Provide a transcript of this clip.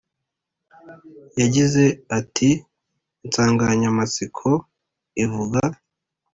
Yagize ati Insanganyamatsiko ivuga